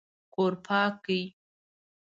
کور پاک کړئ